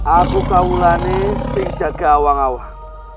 aku akan menjaga orang orang